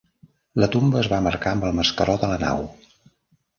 La tomba es va marcar amb el mascaró de la nau.